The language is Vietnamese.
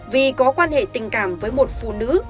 vì có quan hệ tình cảm với một phụ nữ